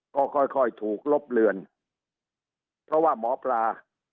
ก็ค่อยค่อยถูกลบเลือนเพราะว่าหมอปลา